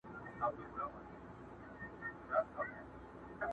دا اوښکي څه دي دا پر چا باندي عرضونه کوې؟٫